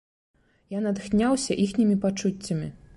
Я натхняўся іхнімі пачуццямі.